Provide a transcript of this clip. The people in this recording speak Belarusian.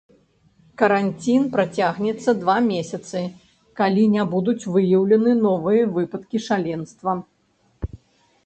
Каранцін працягнецца два месяцы, калі не будуць выяўленыя новыя выпадкі шаленства.